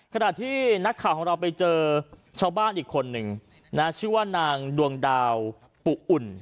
ขณะที่นักข่าวของเราไปเจอชาวบ้านอีกคนนึงนะชื่อว่านางดวงดาวปุอุ่น